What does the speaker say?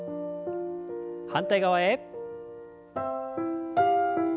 反対側へ。